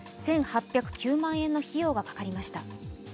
１８０９万円の費用がかかりました。